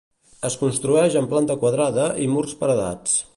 Es construeix en planta quadrada i murs paredats.